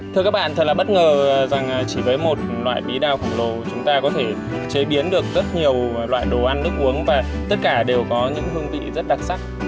thưa các bạn thật là bất ngờ rằng chỉ với một loại bí đao khổng lồ chúng ta có thể chế biến được rất nhiều loại đồ ăn nước uống và tất cả đều có những hương vị rất đặc sắc